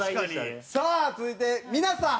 さあ続いて三奈さん。